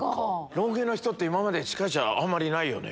ロン毛の人って今まで司会者あんまりいないよね。